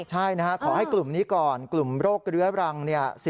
ใช่ขอให้กลุ่มนี้ก่อนกลุ่มโรคเรื้อรัง